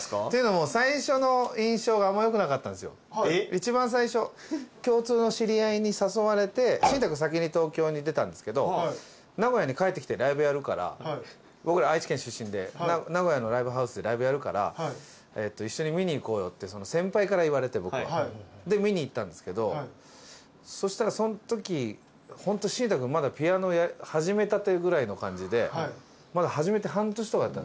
一番最初共通の知り合いに誘われてシンタくん先に東京に出たんですけど名古屋に帰ってきてライブやるから僕ら愛知県出身で名古屋のライブハウスでライブやるから一緒に見に行こうよって先輩から言われて僕は。で見に行ったんですけどそしたらそのときホントシンタくんまだ。まだ始めて半年とか。